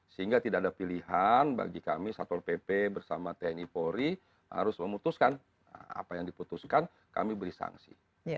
sehingga tidak ada pilihan bagi kami satpol pp bersama tni polri harus memutuskan apa yang diputuskan kami beri sanksi